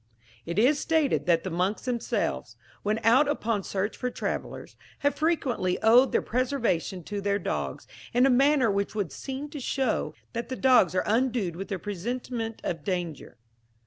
"It is stated that the monks themselves, when out upon search for travellers, have frequently owed their preservation to their dogs, in a manner which would seem to show that the dogs are endued with a presentiment of danger.